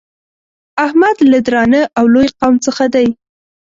احمد له درانه او لوی قوم څخه دی.